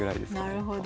なるほど。